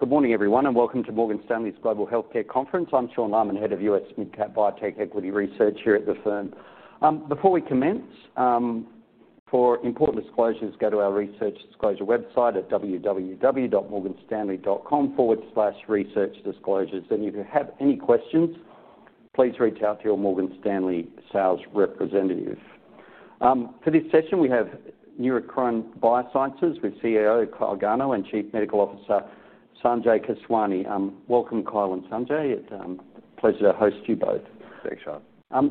Good morning, everyone, and welcome to Morgan Stanley's Global Healthcare Conference. I'm Sean Lamm, Head of US Midcap Biotech Equity Research here at the firm. Before we commence, for important disclosures, go to our research disclosure website at www.morganstanley.com/researchdisclosures. If you have any questions, please reach out to your Morgan Stanley sales representative. For this session, we have Neurocrine Biosciences with CEO Kyle Gano and Chief Medical Officer Dr. Sanjay Keswani. Welcome, Kyle and Sanjay. It's a pleasure to host you both. Thanks, Sean.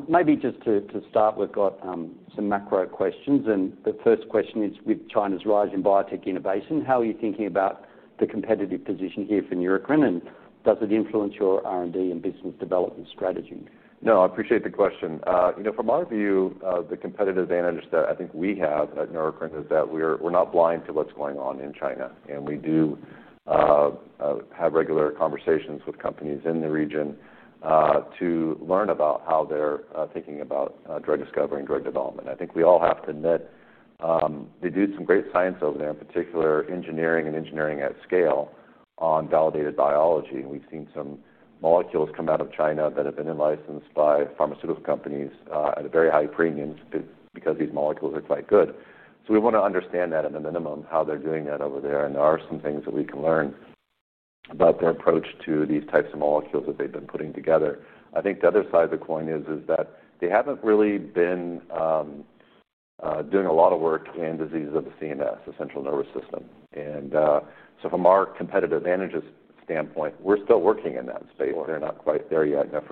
Maybe just to start, we've got some macro questions. The first question is, with China's rise in biotech innovation, how are you thinking about the competitive position here for Neurocrine Biosciences? Does it influence your R&D and business development strategy? No, I appreciate the question. You know, from my view, the competitive advantage that I think we have at Neurocrine Biosciences is that we're not blind to what's going on in China. We do have regular conversations with companies in the region to learn about how they're thinking about drug discovery and drug development. I think we all have to admit they do some great science over there, in particular engineering and engineering at scale on validated biology. We've seen some molecules come out of China that have been licensed by pharmaceutical companies at a very high premium because these molecules are quite good. We want to understand that at a minimum, how they're doing that over there. There are some things that we can learn about their approach to these types of molecules that they've been putting together. I think the other side of the coin is that they haven't really been doing a lot of work in diseases of the central nervous system. From our competitive advantage standpoint, we're still working in that space. They're not quite there yet. If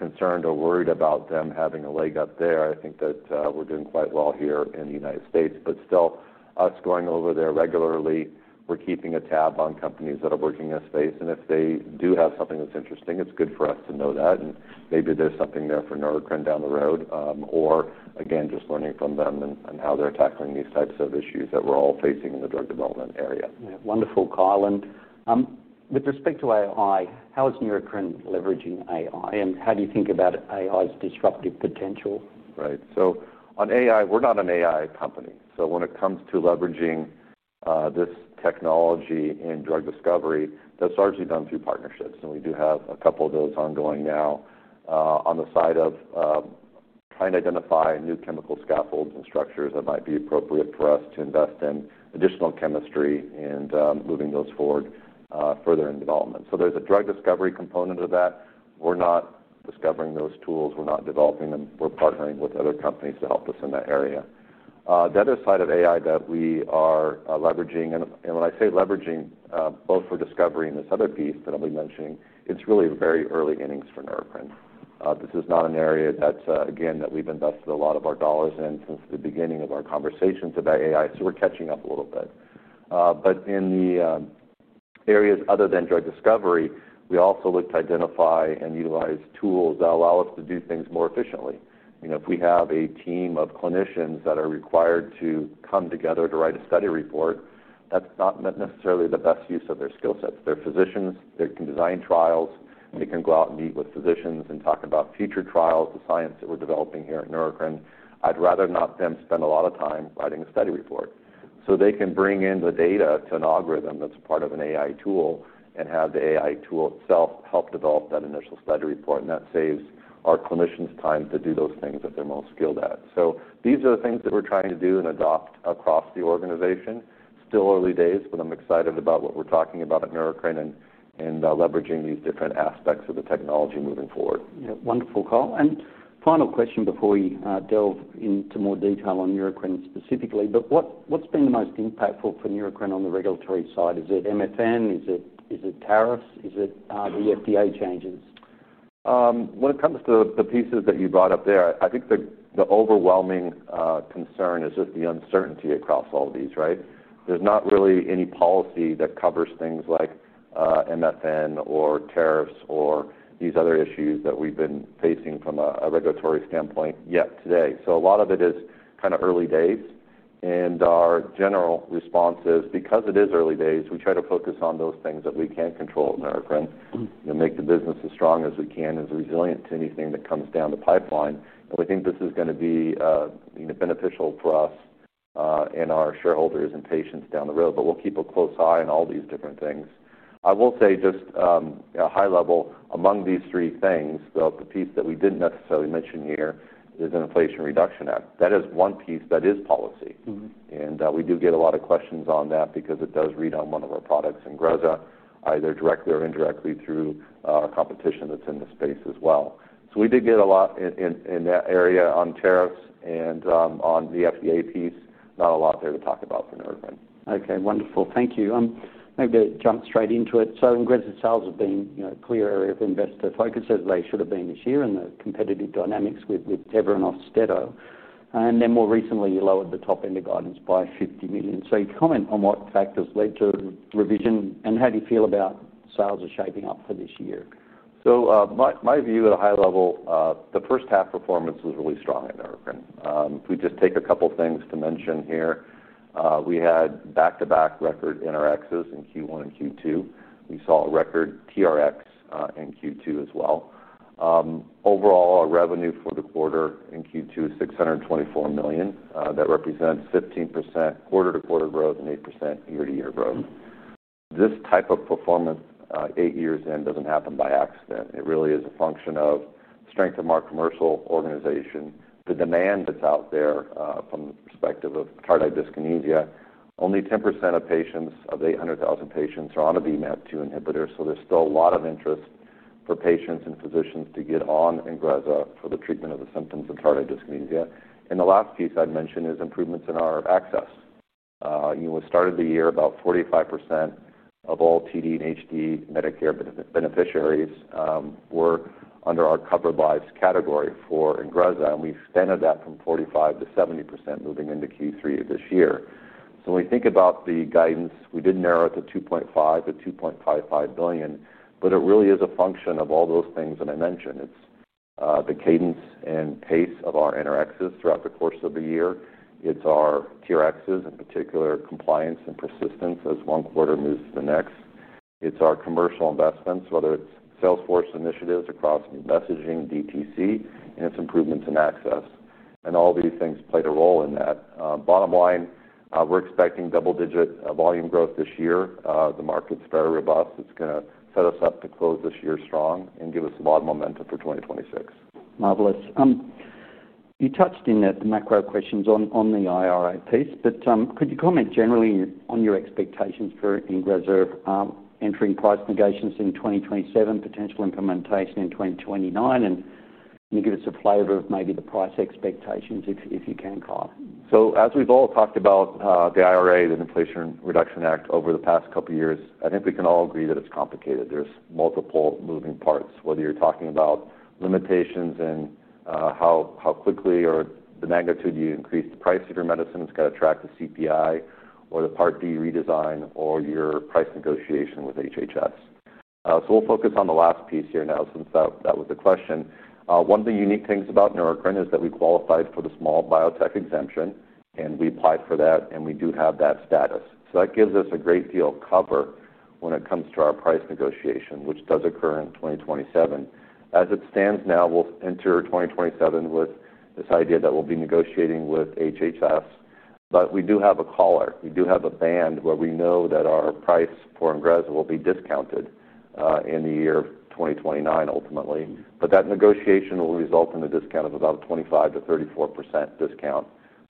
we're concerned or worried about them having a leg up there, I think that we're doing quite well here in the United States. Still, us going over there regularly, we're keeping a tab on companies that are working in this space. If they do have something that's interesting, it's good for us to know that. Maybe there's something there for Neurocrine Biosciences down the road. Again, just learning from them and how they're tackling these types of issues that we're all facing in the drug development area. Wonderful call. With respect to artificial intelligence, how is Neurocrine Biosciences leveraging artificial intelligence? How do you think about artificial intelligence's disruptive potential? Right. On artificial intelligence, we're not an artificial intelligence company. When it comes to leveraging this technology in drug discovery, that's largely done through partnerships. We do have a couple of those ongoing now on the side of trying to identify new chemical scaffolds and structures that might be appropriate for us to invest in additional chemistry and moving those forward further in development. There's a drug discovery component of that. We're not discovering those tools. We're not developing them. We're partnering with other companies to help us in that area. The other side of artificial intelligence that we are leveraging, and when I say leveraging both for discovery and this other piece that I'll be mentioning, it's really very early innings for Neurocrine Biosciences. This is not an area that, again, we've invested a lot of our dollars in since the beginning of our conversations about artificial intelligence. We're catching up a little bit. In the areas other than drug discovery, we also look to identify and utilize tools that allow us to do things more efficiently. If we have a team of clinicians that are required to come together to write a study report, that's not necessarily the best use of their skill sets. They're physicians. They can design trials. We can go out and meet with physicians and talk about future trials, the science that we're developing here at Neurocrine Biosciences. I'd rather not have them spend a lot of time writing a study report. They can bring in the data to an algorithm that's a part of an artificial intelligence tool and have the artificial intelligence tool itself help develop that initial study report. That saves our clinicians time to do those things that they're most skilled at. These are the things that we're trying to do and adopt across the organization. Still early days, but I'm excited about what we're talking about at Neurocrine Biosciences and leveraging these different aspects of the technology moving forward. Yeah, wonderful call. Final question before we delve into more detail on Neurocrine Biosciences specifically: what's been the most impactful for Neurocrine on the regulatory side? Is it MFN? Is it tariffs? Is it the FDA changes? When it comes to the pieces that you brought up there, I think the overwhelming concern is just the uncertainty across all of these, right? There's not really any policy that covers things like MFN or tariffs or these other issues that we've been facing from a regulatory standpoint yet today. A lot of it is kind of early days. Our general response is, because it is early days, we try to focus on those things that we can control at Neurocrine Biosciences. Make the business as strong as we can, as resilient to anything that comes down the pipeline. We think this is going to be beneficial to us and our shareholders and patients down the road. We'll keep a close eye on all these different things. I will say just at a high level among these three things, the piece that we didn't necessarily mention here is the Inflation Reduction Act. That is one piece that is policy. We do get a lot of questions on that because it does read on one of our products, Ingrezza, either directly or indirectly through competition that's in the space as well. We did get a lot in that area on tariffs and on the FDA piece. Not a lot there to talk about for Neurocrine Biosciences. OK, wonderful. Thank you. Maybe to jump straight into it. Ingrezza sales have been a clear area of investor focus, as they should have been this year, and the competitive dynamics with Teva and Austedo. More recently, you lowered the top end of guidance by $50 million. Can you comment on what factors led to the revision and how you feel about how sales are shaping up for this year? My view at a high level, the first half performance was really strong at Neurocrine Biosciences. If we just take a couple of things to mention here, we had back-to-back record NRXs in Q1 and Q2. We saw a record TRX in Q2 as well. Overall, our revenue for the quarter in Q2, $624 million. That represents 15% quarter-to-quarter growth and 8% year-to-year growth. This type of performance eight years in doesn't happen by accident. It really is a function of strength of our commercial organization, the demand that's out there from the perspective of tardive dyskinesia. Only 10% of patients of the 800,000 patients are on a VMAT2 inhibitor. There's still a lot of interest for patients and physicians to get on Ingrezza for the treatment of the symptoms of tardive dyskinesia. The last piece I'd mention is improvements in our access. We started the year about 45% of all TD and HD Medicare beneficiaries were under our Covered Lives category for Ingrezza. We've expanded that from 45% to 70% moving into Q3 of this year. When we think about the guidance, we did narrow it to $2.5 to $2.55 billion. It really is a function of all those things that I mentioned. It's the cadence and pace of our NRXs throughout the course of the year. It's our TRXs, in particular, compliance and persistence as one quarter moves to the next. It's our commercial investments, whether it's Salesforce initiatives across messaging, DTC, and its improvements in access. All these things played a role in that. Bottom line, we're expecting double-digit volume growth this year. The market's very robust. It's going to set us up to close this year strong and give us a lot of momentum for 2026. Marvelous. You touched in the macro questions on the IRA piece. Could you comment generally on your expectations for Ingrezza entering price negotiations in 2027, potential implementation in 2029? Can you give us a flavor of maybe the price expectations if you can, Kyle. As we've all talked about the IRA, the Inflation Reduction Act over the past couple of years, I think we can all agree that it's complicated. There are multiple moving parts, whether you're talking about limitations in how quickly or the magnitude you increase the price of your medicine that's got to track the CPI, the Part D redesign, or your price negotiation with HHS. We'll focus on the last piece here now since that was the question. One of the unique things about Neurocrine Biosciences is that we qualified for the small biotech exemption. We applied for that, and we do have that status. That gives us a great deal of cover when it comes to our price negotiation, which does occur in 2027. As it stands now, we'll enter 2027 with this idea that we'll be negotiating with HHS. We do have a collar. We do have a band where we know that our price for Ingrezza will be discounted in the year of 2029, ultimately. That negotiation will result in a discount of about a 25% to 34% discount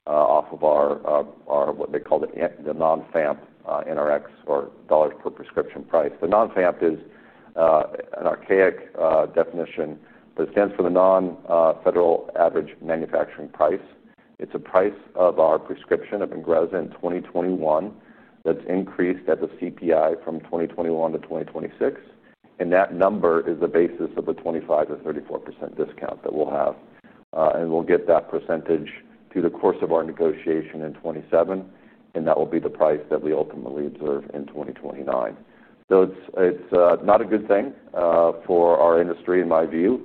off of our, what they call the non-FAMP NRX or dollars per prescription price. The non-FAMP is an archaic definition, but it stands for the non-federal average manufacturing price. It's a price of our prescription of Ingrezza in 2021 that's increased as a CPI from 2021 to 2026. That number is the basis of a 25% to 34% discount that we'll have. We'll get that percentage through the course of our negotiation in 2027, and that will be the price that we ultimately observe in 2029. It's not a good thing for our industry, in my view.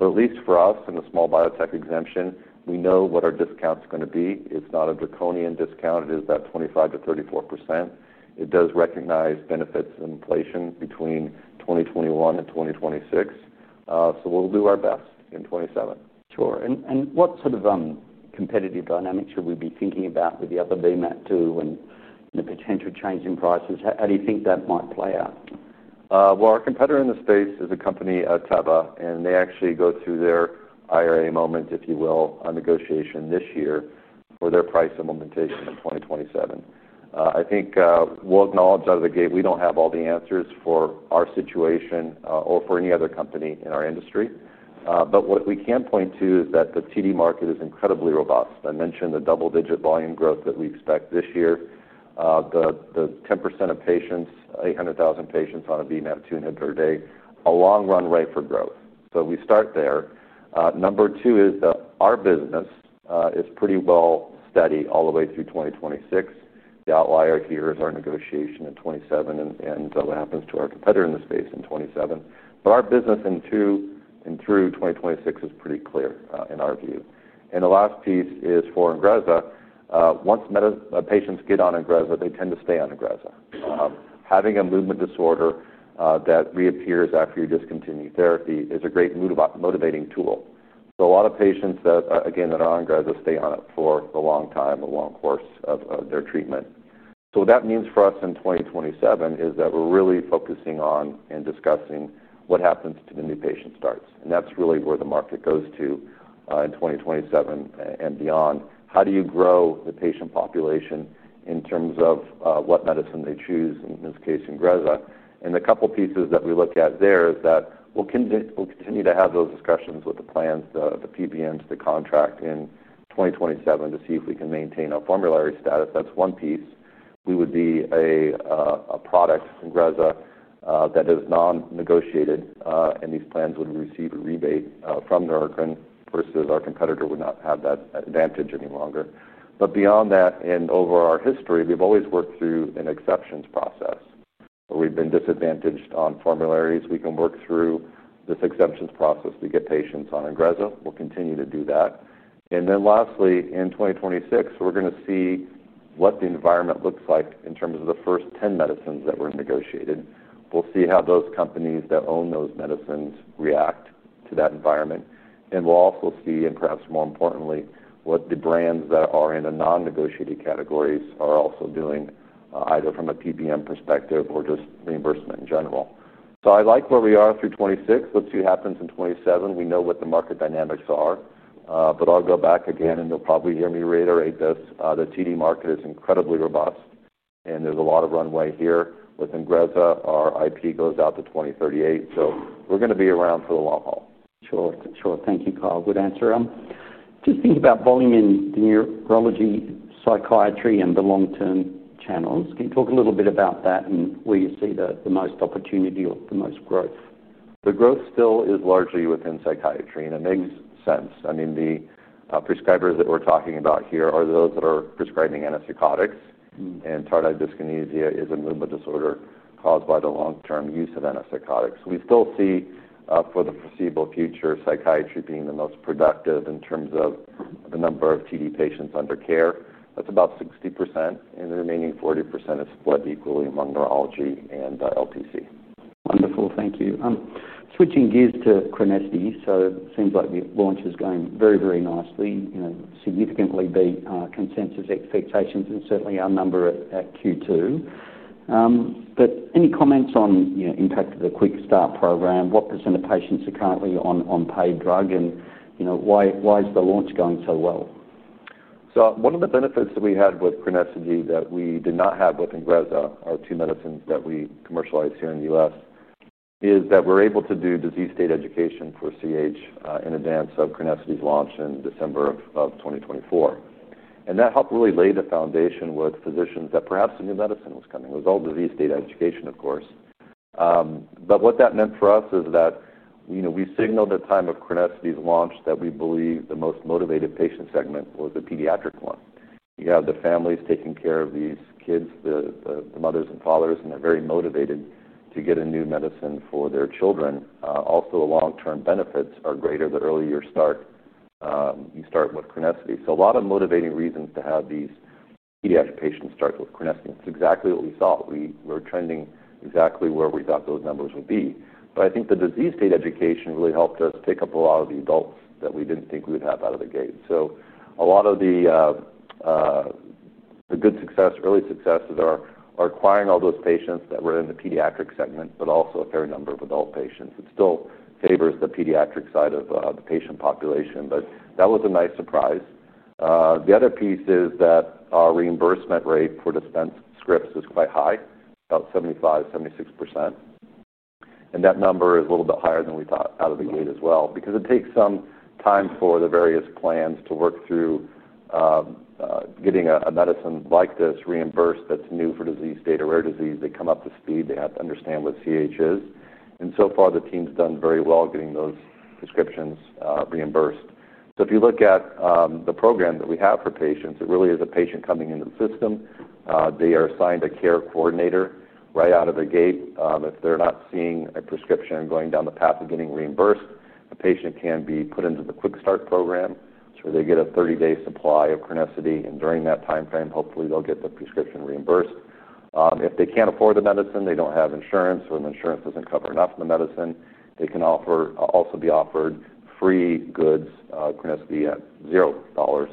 At least for us in the small biotech exemption, we know what our discount is going to be. It's not a draconian discount. It is that 25% to 34%. It does recognize benefits of inflation between 2021 and 2026. We'll do our best in 2027. Sure. What sort of competitive dynamics should we be thinking about with the other VMAT2 and the potential change in prices? How do you think that might play out? Our competitor in the space is a company out of China. They actually go through their Inflation Reduction Act (IRA) moment, if you will, negotiation this year for their price implementation in 2027. I think we'll acknowledge out of the gate we don't have all the answers for our situation or for any other company in our industry. What we can point to is that the tardive dyskinesia (TD) market is incredibly robust. I mentioned the double-digit volume growth that we expect this year. The 10% of patients, 800,000 patients on a VMAT2 inhibitor a day, a long runway for growth. We start there. Number two is our business is pretty well steady all the way through 2026. The outlier here is our negotiation in 2027 and what happens to our competitor in the space in 2027. Our business in 2022 and through 2026 is pretty clear in our view. The last piece is for Ingrezza. Once patients get on Ingrezza, they tend to stay on Ingrezza. Having a movement disorder that reappears after you discontinue therapy is a great motivating tool. A lot of patients that, again, that are on Ingrezza stay on it for a long time, a long course of their treatment. What that means for us in 2027 is that we're really focusing on and discussing what happens to the new patient starts. That's really where the market goes to in 2027 and beyond. How do you grow the patient population in terms of what medicine they choose, in this case, Ingrezza? The couple of pieces that we look at there is that we'll continue to have those discussions with the plans, the PBMs, the contract in 2027 to see if we can maintain our formulary status. That's one piece. We would be a product from Ingrezza that is non-negotiated. These plans would receive a rebate from Neurocrine Biosciences. Of course, our competitor would not have that advantage any longer. Beyond that, and over our history, we've always worked through an exceptions process. We've been disadvantaged on formularies. We can work through this exceptions process to get patients on Ingrezza. We'll continue to do that. Lastly, in 2026, we're going to see what the environment looks like in terms of the first 10 medicines that were negotiated. We'll see how those companies that own those medicines react to that environment. We'll also see, and perhaps more importantly, what the brands that are in a non-negotiated category are also doing, either from a PBM perspective or just reimbursement in general. I like where we are through 2026. Let's see what happens in 2027. We know what the market dynamics are. I'll go back again, and you'll probably hear me reiterate this. The TD market is incredibly robust. There's a lot of runway here. With Ingrezza, our IP goes out to 2038. We're going to be around for the long haul. Sure. Thank you, Kyle. Good answer. I'm just thinking about volume in the neurology, psychiatry, and the long-term channels. Can you talk a little bit about that and where you see the most opportunity or the most growth? The growth still is largely within psychiatry. It makes sense. I mean, the prescribers that we're talking about here are those that are prescribing antipsychotics. Tardive dyskinesia is a movement disorder caused by the long-term use of antipsychotics. We still see, for the foreseeable future, psychiatry being the most productive in terms of the number of TD patients under care. That's about 60%. The remaining 40% is split equally among neurology and LPC. Wonderful. Thank you. Switching gears to crinecerfont, it seems like the launch is going very, very nicely. You know, significantly beat consensus expectations and certainly our number at Q2. Any comments on the impact of the Quick Start program? What % of patients are currently on paid drug? You know, why is the launch going so well? One of the benefits that we had with crinecerfont that we did not have with Ingrezza, our two medicines that we commercialize here in the U.S., is that we're able to do disease state education for congenital adrenal hyperplasia in advance of crinecerfont's launch in December of 2024. That helped really lay the foundation with physicians that perhaps a new medicine was coming. It was all disease state education, of course. What that meant for us is that we've signaled at the time of crinecerfont's launch that we believe the most motivated patient segment was the pediatric one. You have the families taking care of these kids, the mothers and fathers, and they're very motivated to get a new medicine for their children. Also, long-term benefits are greater the earlier you start with crinecerfont. There are a lot of motivating reasons to have these pediatric patients start with crinecerfont. It's exactly what we saw. We were trending exactly where we thought those numbers would be. I think the disease state education really helped us pick up a lot of the adults that we didn't think we would have out of the gate. A lot of the good success, early successes are acquiring all those patients that were in the pediatric segment, but also a fair number of adult patients. It still favors the pediatric side of the patient population. That was a nice surprise. The other piece is that our reimbursement rate for dispensed scripts is quite high, about 75% to 76%. That number is a little bit higher than we thought out of the gate as well because it takes some time for the various plans to work through getting a medicine like this reimbursed that's new for disease state, a rare disease. They come up to speed. They have to understand what congenital adrenal hyperplasia is. So far, the team's done very well getting those prescriptions reimbursed. If you look at the program that we have for patients, it really is a patient coming into the system. They are assigned a care coordinator right out of the gate. If they're not seeing a prescription going down the path of getting reimbursed, the patient can be put into the Quick Start program where they get a 30-day supply of crinecerfont. During that time frame, hopefully, they'll get the prescription reimbursed. If they can't afford the medicine, they don't have insurance or the insurance doesn't cover enough of the medicine, they can also be offered free goods, crinecerfont at $0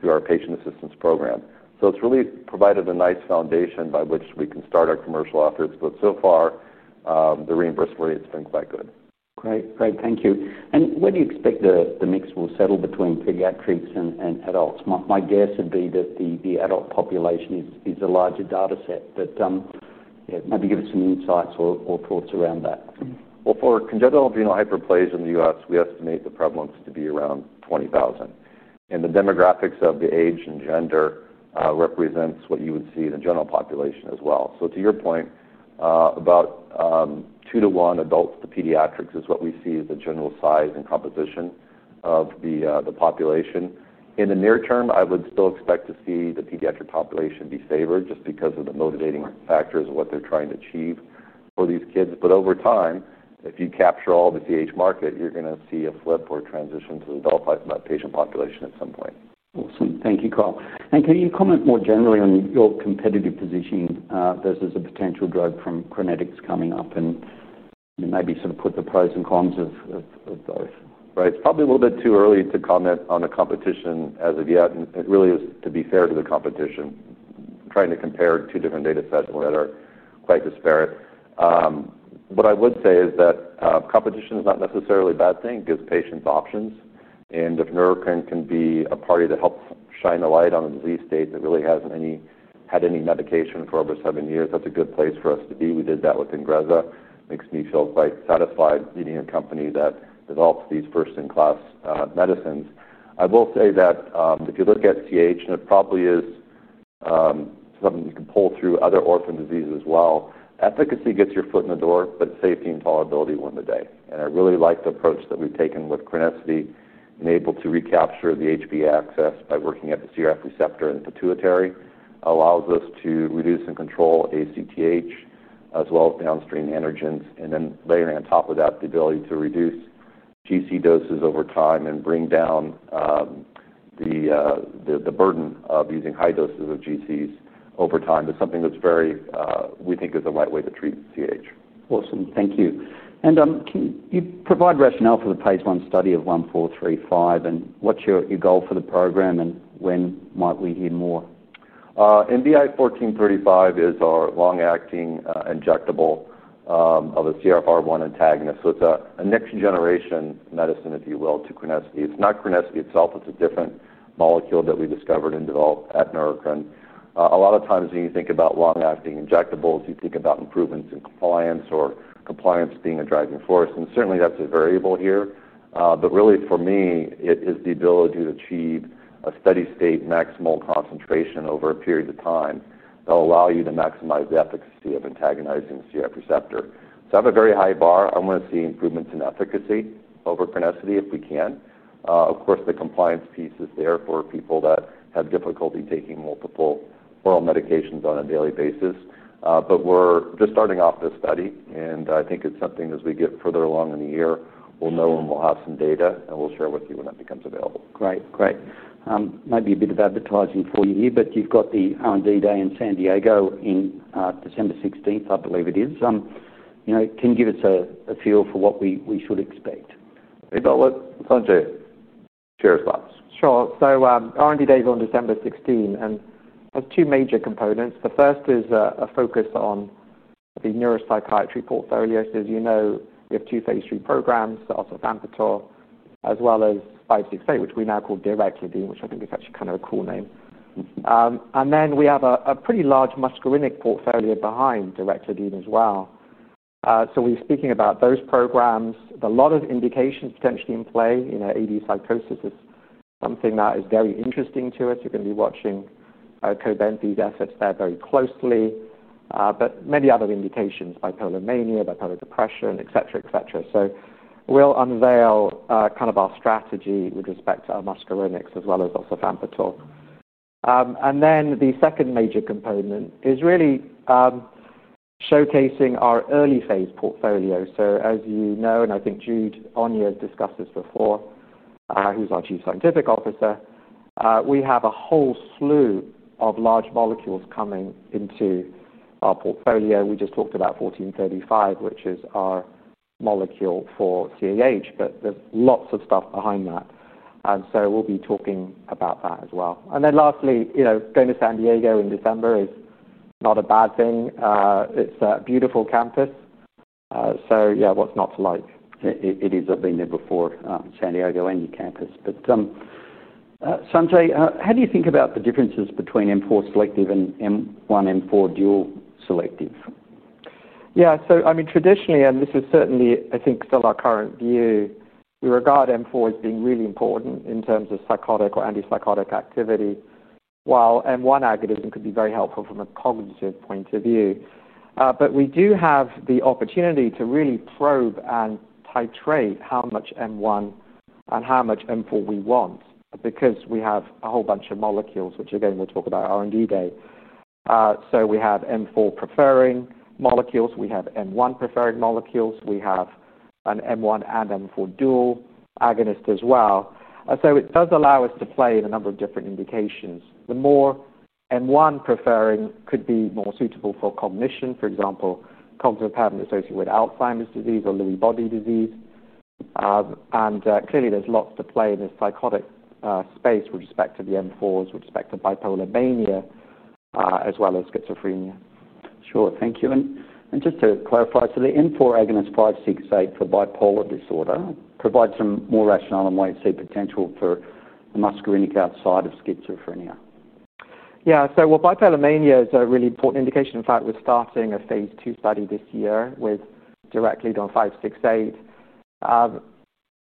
through our patient assistance program. It's really provided a nice foundation by which we can start our commercial efforts. So far, the reimbursement rate's been quite good. Great, thank you. When do you expect the mix will settle between pediatrics and adults? My guess would be that the adult population is a larger data set. Maybe give us some insights or thoughts around that. For congenital adrenal hyperplasia in the U.S., we estimate the prevalence to be around 20,000. The demographics of the age and gender represent what you would see in the general population as well. To your point, about two to one adults to pediatrics is what we see as the general size and composition of the population. In the near term, I would still expect to see the pediatric population be favored just because of the motivating factors of what they're trying to achieve for these kids. Over time, if you capture all the CAH market, you're going to see a flip or transition to the adult patient population at some point. I see. Thank you, Kyle. Can you comment more generally on your competitive position versus a potential drug from Neurocrine Biosciences coming up and maybe sort of put the pros and cons of both? Right. It's probably a little bit too early to comment on the competition as of yet. It really is to be fair to the competition. I'm trying to compare two different data sets and whatever is quite disparate. What I would say is that competition is not necessarily a bad thing. It gives patients options. If Neurocrine Biosciences can be a party to help shine a light on a disease state that really hasn't had any medication for over seven years, that's a good place for us to be. We did that with Ingrezza. It makes me feel quite satisfied leading a company that develops these first-in-class medicines. I will say that if you look at CAH, and it probably is something you can pull through other orphan diseases as well, efficacy gets your foot in the door, but safety and tolerability win the day. I really like the approach that we've taken with crinecerfont and able to recapture the HPA access by working at the CRF receptor and pituitary. It allows us to reduce and control ACTH as well as downstream androgens. Layering on top of that, the ability to reduce GC doses over time and bring down the burden of using high doses of GCs over time is something that's very, we think, is a lightweight to treat CAH. Awesome. Thank you. Can you provide rationale for the phase one study of NBI-1435? What's your goal for the program? When might we hear more? NBI-1435 is our long-acting injectable of a CRF1 antagonist. It's a next-generation medicine, if you will, to crinecerfont. It's not crinecerfont itself. It's a different molecule that we discovered and developed at Neurocrine. A lot of times, when you think about long-acting injectables, you think about improvements in compliance or compliance being a driving force. Certainly, that's a variable here. Really, for me, it is the ability to achieve a steady state maximal concentration over a period of time that will allow you to maximize the efficacy of antagonizing the CRF receptor. I have a very high bar. I want to see improvements in efficacy over crinecerfont if we can. Of course, the compliance piece is there for people that have difficulty taking multiple oral medications on a daily basis. We're just starting off the study. I think it's something as we get further along in the year, we'll know and we'll have some data. We'll share with you when that becomes available. Great, great. Might be a bit of advertising for you here, but you've got the R&D day in San Diego on December 16, I believe it is. Can you give us a feel for what we should expect? Hey, Todd, what did Sanjay share last? Sure. R&D day is on December 16th. It has two major components. The first is a focus on the neuropsychiatry portfolio. As you know, we have two phase three programs, the osavampator, as well as 5-2-6, which we now call Directedine, which I think is actually kind of a cool name. We have a pretty large muscarinic portfolio behind Directedine as well. We are speaking about those programs. There are a lot of indications potentially in play. You know, AD psychosis is something that is very interesting to us. You are going to be watching COBENTI's efforts there very closely. Many other indications, bipolar mania, bipolar depression, et cetera, et cetera. We will unveil kind of our strategy with respect to our muscarinics as well as osavampator. The second major component is really showcasing our early phase portfolio. As you know, and I think Jude Onyia has discussed this before, who is our Chief Scientific Officer, we have a whole slew of large molecules coming into our portfolio. We just talked about NBI-1435, which is our molecule for congenital adrenal hyperplasia, but there is lots of stuff behind that. We will be talking about that as well. Lastly, going to San Diego in December is not a bad thing. It is a beautiful campus. What is not to like? It is a venue for San Diego and your campus. Sanjay, how do you think about the differences between M4 selective and M1 M4 dual selective? Yeah, traditionally, and this is certainly, I think, still our current view, we regard M4 as being really important in terms of psychotic or antipsychotic activity, while M1 agonism could be very helpful from a cognitive point of view. We do have the opportunity to really probe and titrate how much M1 and how much M4 we want because we have a whole bunch of molecules, which again, we will talk about at R&D day. We have M4 preferring molecules. We have M1 preferring molecules. We have an M1 and M4 dual agonist as well. It does allow us to play in a number of different indications. The more M1 preferring could be more suitable for cognition, for example, cognitive impairment associated with Alzheimer's disease or Lewy body disease. Clearly, there is lots to play in this psychotic space with respect to the M4s, with respect to bipolar mania, as well as schizophrenia. Sure. Thank you. Just to clarify, the M4 agonist 568 for bipolar disorder provides some more rationale on why you see potential for the muscarinic outside of schizophrenia. Bipolar mania is a really important indication. In fact, we're starting a phase two study this year with directly on 568.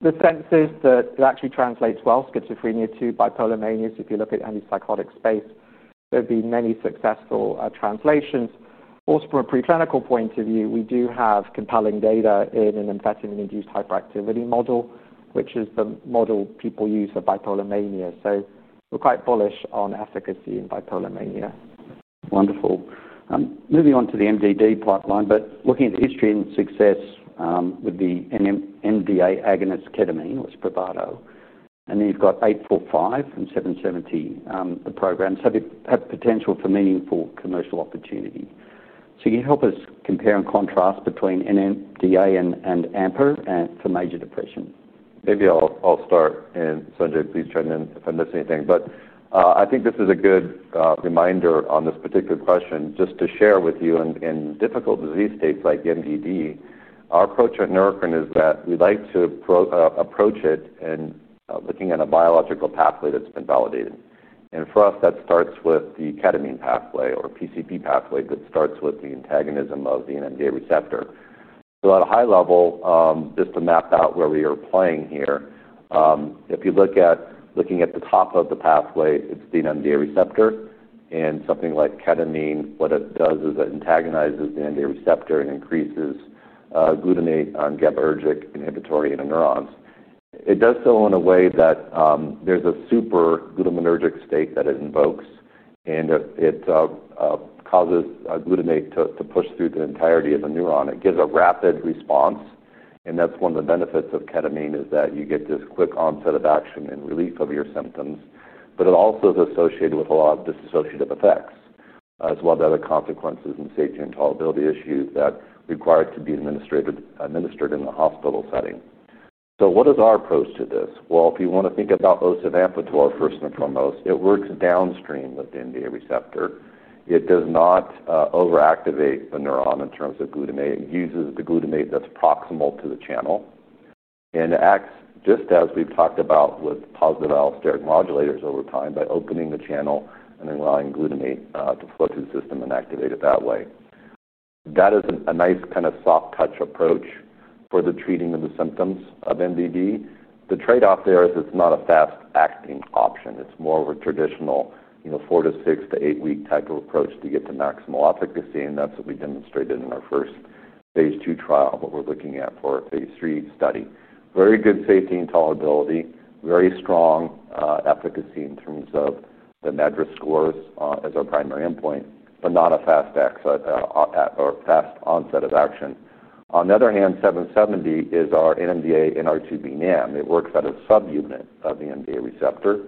The sense is that it actually translates well from schizophrenia to bipolar mania. If you look at the antipsychotic space, there have been many successful translations. Also, from a preclinical point of view, we do have compelling data in an amphetamine-induced hyperactivity model, which is the model people use for bipolar mania. We're quite bullish on efficacy in bipolar mania. Wonderful. Moving on to the MDD pipeline, looking at the history and success with the NMDA agonist ketamine, which is Provato, and then you've got 845 and 770, the programs have the potential for meaningful commercial opportunity. Can you help us compare and contrast between NMDA and AMPA for major depression? Maybe I'll start. Sanjay, please chime in if I miss anything. I think this is a good reminder on this particular question just to share with you in difficult disease states like MDD. Our approach at Neurocrine Biosciences is that we like to approach it in looking at a biological pathway that's been validated. For us, that starts with the ketamine pathway or PCP pathway that starts with the antagonism of the NMDA receptor. At a high level, just to map out where we are playing here, if you look at the top of the pathway, it's the NMDA receptor. Something like ketamine, what it does is it antagonizes the NMDA receptor and increases glutamate and GABAergic inhibitory in the neurons. It does so in a way that there's a super glutamatergic state that it invokes. It causes glutamate to push through the entirety of a neuron. It gives a rapid response. One of the benefits of ketamine is that you get this quick onset of action and relief of your symptoms. It also is associated with a lot of dissociative effects as well as other consequences and safety and tolerability issues that require it to be administered in the hospital setting. What is our approach to this? If you want to think about osavampator first and foremost, it works downstream of the NMDA receptor. It does not overactivate a neuron in terms of glutamate. It uses the glutamate that's proximal to the channel. It acts just as we've talked about with positive allosteric modulators over time by opening the channel and allowing glutamate to flow through the system and activate it that way. That is a nice kind of soft-touch approach for the treating of the symptoms of MDD. The trade-off there is it's not a fast-acting option. It's more of a traditional four to six to eight-week type of approach to get to maximal efficacy. That's what we demonstrated in our first phase two trial, what we're looking at for a phase three study. Very good safety and tolerability, very strong efficacy in terms of the MADRS scores as our primary endpoint, but not a fast onset of action. On the other hand, 770 is our NMDA NR2B NAM. It works at a subunit of the NMDA receptor.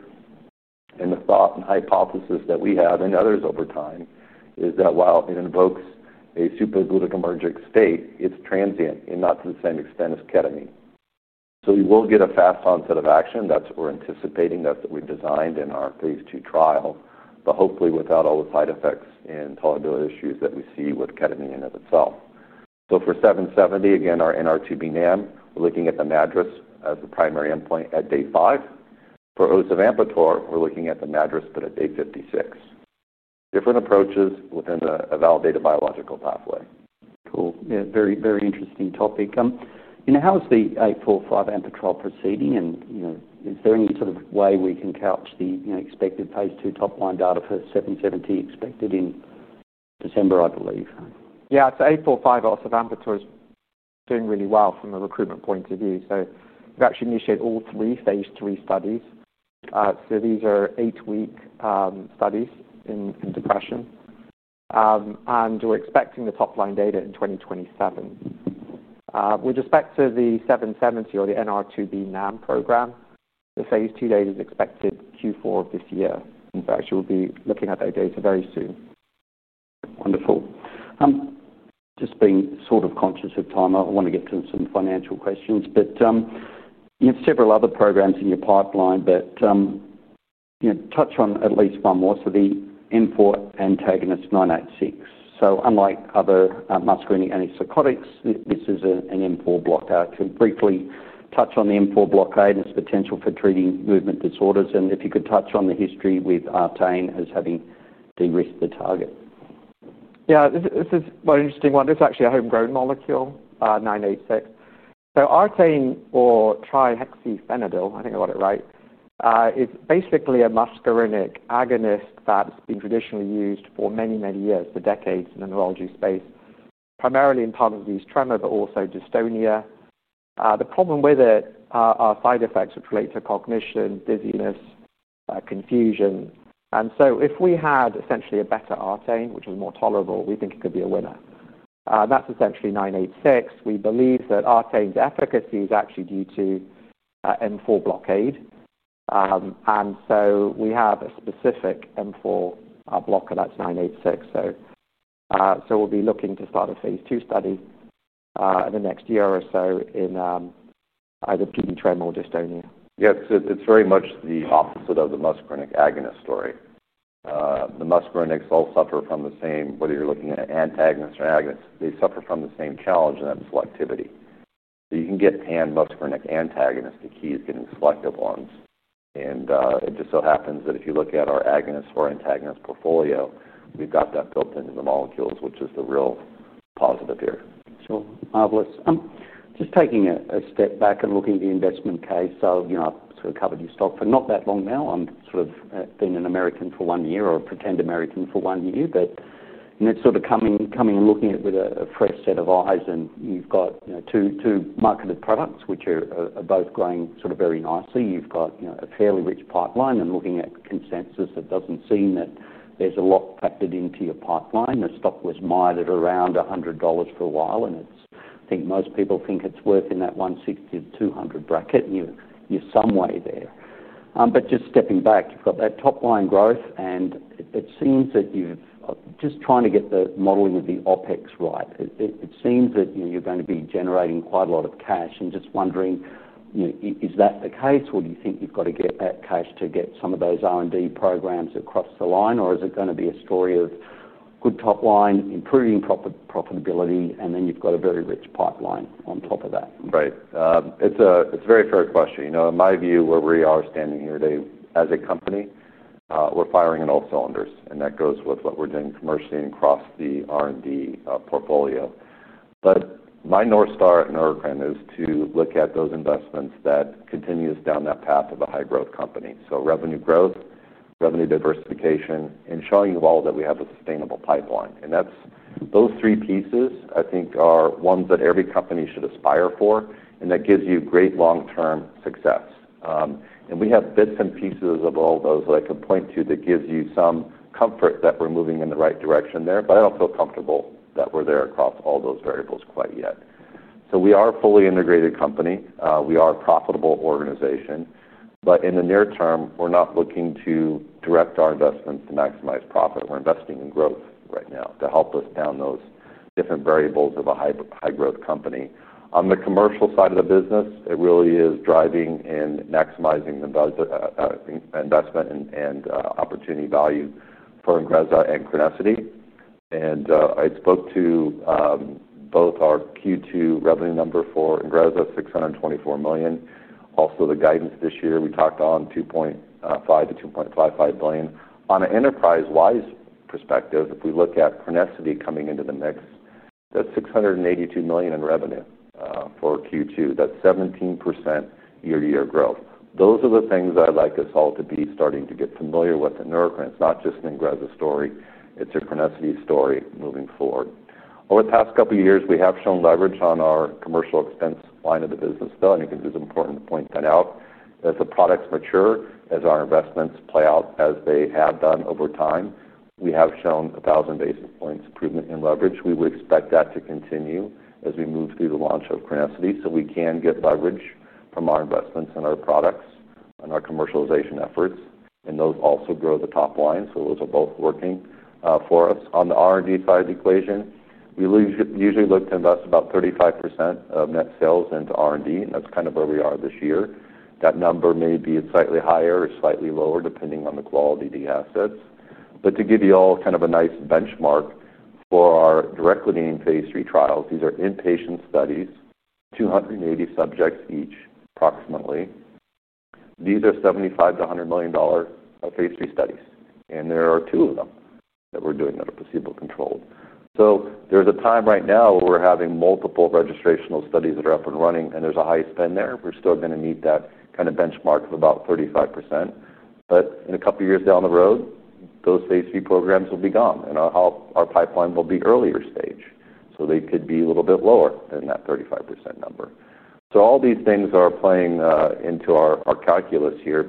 The thought and hypothesis that we have and others over time is that while it invokes a supraglutamatergic emergent state, it's transient and not to the same extent as ketamine. We will get a fast onset of action. That's what we're anticipating. That's what we've designed in our phase two trial, hopefully without all the side effects and tolerability issues that we see with ketamine in and of itself. For 770, again, our NR2B NAM, we're looking at the MADRS as the primary endpoint at day five. For osavampator, we're looking at the MADRS, but at day 56. Different approaches within a validated biological pathway. Cool. Yeah, very, very interesting topic. You know, how is the 845 osavampator trial proceeding? Is there any sort of way we can catch the expected phase two top line data for 770 expected in December, I believe? Yeah, so 845 osavampator is doing really well from a recruitment point of view. We've actually initiated all three phase three studies. These are eight-week studies in depression, and we're expecting the top line data in 2027. With respect to the 770 or the NR2B NAM program, the phase two data is expected Q4 of this year. Actually, we'll be looking at that data very soon. Wonderful. I'm just being sort of conscious of time. I want to get to some financial questions. You have several other programs in your pipeline, but touch on at least one more. The M4 antagonist 986. Unlike other muscarinic antipsychotics, this is an M4 blockade. Can you briefly touch on the M4 blockade and its potential for treating movement disorders? If you could touch on the history with Artane as having the risk to target. Yeah, this is an interesting one. It's actually a homegrown molecule, 986. Artane or trihexyphenidyl, I think I got it right, is basically a muscarinic agonist that has been traditionally used for many, many years, for decades in the neurology space, primarily in partners with tremor, but also dystonia. The problem with it are side effects which relate to cognition, dizziness, confusion. If we had essentially a better Artane, which is more tolerable, we think it could be a winner. That's essentially 986. We believe that Artane's efficacy is actually due to M4 blockade. We have a specific M4 blockade that's 986. We'll be looking to start a phase two study in the next year or so in either PD tremor or dystonia. Yeah, because it's very much the opposite of the muscarinic agonist story. The muscarinics all suffer from the same, whether you're looking at antagonists or agonists, they suffer from the same challenge, and that is selectivity. You can get hand muscarinic antagonists. The key is getting selective ones. It just so happens that if you look at our agonist or antagonist portfolio, we've got that built into the molecules, which is the real positive here. Sure. Marvelous. I'm just taking a step back and looking at the investment case. You know, I've sort of covered your stock for not that long now. I've sort of been an American for one year or a pretend American for one year. You know, it's sort of coming and looking at it with a fresh set of eyes. You've got two marketed products, which are both growing very nicely. You've got a fairly rich pipeline. Looking at consensus, it doesn't seem that there's a lot factored into your pipeline. The stock was mired around $100 for a while. I think most people think it's worth in that $160 to $200 bracket, and you're somewhere there. Just stepping back, you've got that top line growth. It seems that you're just trying to get the modeling of the OpEx right. It seems that you're going to be generating quite a lot of cash. Just wondering, is that the case? Do you think you've got to get that cash to get some of those R&D programs across the line? Is it going to be a story of good top line, improving profitability, and then you've got a very rich pipeline on top of that? Right. It's a very fair question. You know, in my view, where we are standing here today as a company, we're firing on all cylinders. That goes with what we're doing commercially and across the R&D portfolio. My north star at Neurocrine Biosciences is to look at those investments that continue us down that path of a high-growth company. Revenue growth, revenue diversification, and showing the world that we have a sustainable pipeline. Those three pieces, I think, are ones that every company should aspire for. That gives you great long-term success. We have bits and pieces of all those that I could point to that give you some comfort that we're moving in the right direction there. I don't feel comfortable that we're there across all those variables quite yet. We are a fully integrated company. We are a profitable organization. In the near term, we're not looking to direct our investment to maximize profit. We're investing in growth right now to help us down those different variables of a high-growth company. On the commercial side of the business, it really is driving and maximizing the investment and opportunity value for Ingrezza and crinecerfont. I spoke to both our Q2 revenue number for Ingrezza, $624 million. Also, the guidance this year we talked on, $2.5 to $2.55 billion. On an enterprise-wide perspective, if we look at crinecerfont coming into the mix, that's $682 million in revenue for Q2. That's 17% year-to-year growth. Those are the things I'd like us all to be starting to get familiar with at Neurocrine Biosciences. It's not just an Ingrezza story. It's a crinecerfont story moving forward. Over the past couple of years, we have shown leverage on our commercial expense line of the business, though. I think it's important to point that out. As the products mature, as our investments play out as they have done over time, we have shown 1,000 basis points improvement in leverage. We would expect that to continue as we move through the launch of crinecerfont. We can get leverage from our investments in our products and our commercialization efforts. Those also grow the top line. Those are both working for us. On the R&D side of the equation, we usually look to invest about 35% of net sales into R&D. That's kind of where we are this year. That number may be slightly higher or slightly lower, depending on the quality of the assets. To give you all kind of a nice benchmark for our Directedine phase three trials, these are inpatient studies, 280 subjects each, approximately. These are $75 million to $100 million phase three studies. There are two of them that we're doing that are placebo controlled. There is a time right now where we're having multiple registrational studies that are up and running, and there's a high spend there. We're still going to meet that kind of benchmark of about 35%. In a couple of years down the road, those phase three programs will be gone, and our pipeline will be earlier stage, so they could be a little bit lower than that 35% number. All these things are playing into our calculus here.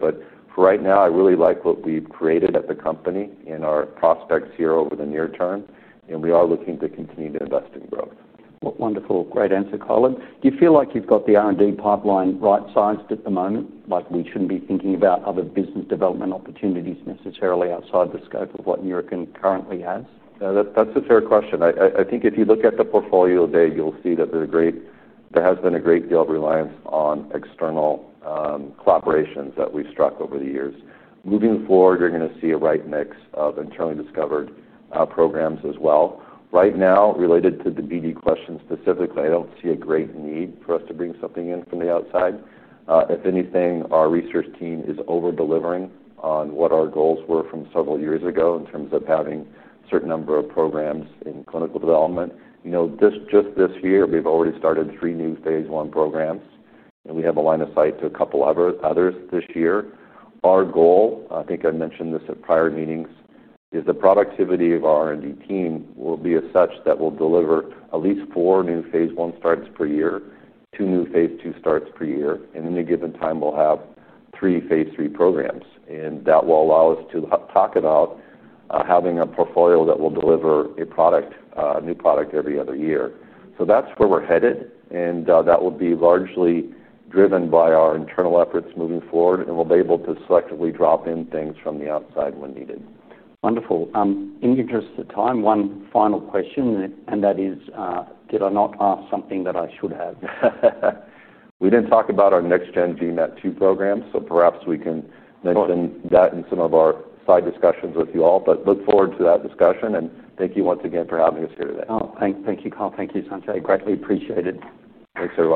For right now, I really like what we've created at the company and our prospects here over the near term. We are looking to continue to invest in growth. Wonderful. Great answer, Kyle. Do you feel like you've got the R&D pipeline right-sized at the moment? Like you shouldn't be thinking about other business development opportunities necessarily outside the scope of what Neurocrine Biosciences currently has? That's a fair question. I think if you look at the portfolio there, you'll see that there has been a great deal of reliance on external collaborations that we've struck over the years. Moving forward, you're going to see a right mix of internally discovered programs as well. Right now, related to the DD question specifically, I don't see a great need for us to bring something in from the outside. If anything, our research team is over-delivering on what our goals were from several years ago in terms of having a certain number of programs in clinical development. Just this year, we've already started three new phase one programs, and we have a line of sight to a couple of others this year. Our goal, I think I mentioned this at prior meetings, is the productivity of our R&D team will be such that we'll deliver at least four new phase one starts per year, two new phase two starts per year. In a given time, we'll have three phase three programs. That will allow us to talk about having a portfolio that will deliver a product, a new product every other year. That's where we're headed, and that will be largely driven by our internal efforts moving forward. We'll be able to selectively drop in things from the outside when needed. Wonderful. In the interest of time, one final question. That is, did I not ask something that I should have? We didn't talk about our next-gen gene map 2 program. Perhaps we can mention that in some of our side discussions with you all. I look forward to that discussion, and thank you once again for having us here today. Oh, thank you, Kyle. Thank you, Sanjay. Greatly appreciated. Thanks, everyone.